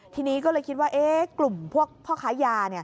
ทีนี้ก็เลยคิดว่ากลุ่มพวกพ่อค้ายา